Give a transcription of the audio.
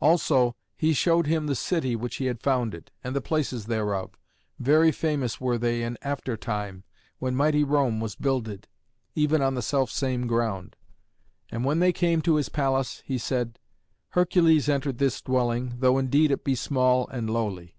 Also he showed him the city which he had founded, and the places thereof: very famous were they in after time, when mighty Rome was builded, even on the selfsame ground. And when they came to his palace he said, "Hercules entered this dwelling, though indeed it be small and lowly.